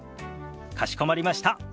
かしこまりました。